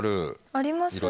あります。